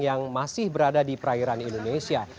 yang masih berada di perairan indonesia